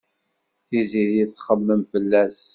Tiziri txemmem fell-as.